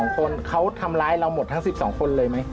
๒คนเขาทำร้ายเราหมดทั้ง๑๒คนเลยไหม